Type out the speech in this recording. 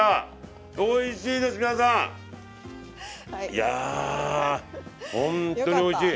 いやほんとにおいしい。